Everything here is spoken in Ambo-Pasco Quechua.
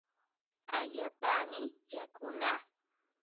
Allaapami yakunaa.